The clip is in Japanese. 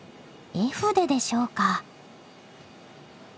絵筆でしょうか？